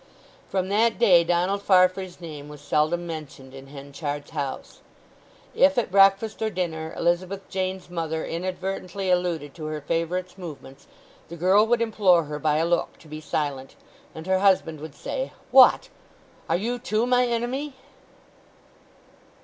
From that day Donald Farfrae's name was seldom mentioned in Henchard's house. If at breakfast or dinner Elizabeth Jane's mother inadvertently alluded to her favourite's movements, the girl would implore her by a look to be silent; and her husband would say, "What—are you, too, my enemy?"